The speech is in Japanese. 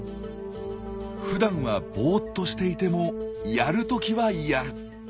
ふだんはボーっとしていてもやる時はやる。